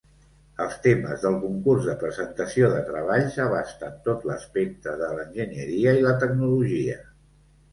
Els temes del concurs de presentació de treballs abasten tot l'espectre de l'enginyeria i la tecnologia.